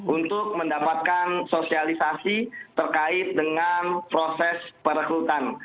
untuk mendapatkan sosialisasi terkait dengan proses perekrutan